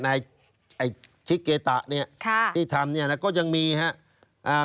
ในไอ้ชิคเกตะเนี่ยที่ทำเนี่ยก็ยังมีฮะ